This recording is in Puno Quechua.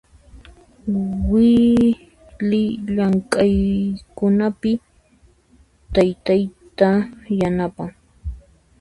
Wily llamk'aykunapi taytayta yanapan.